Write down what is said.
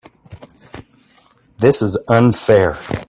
This is unfair.